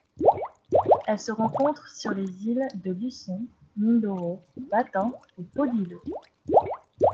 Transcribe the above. Elle se rencontre sur les îles de Luçon, Mindoro, Batan et Polillo.